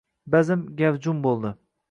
bazm gavjum bo’ldi.